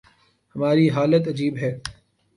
ہماری حالت عجیب ہے۔